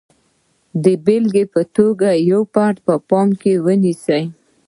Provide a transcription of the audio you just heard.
د بېلګې په توګه یو فرد په پام کې نیسو.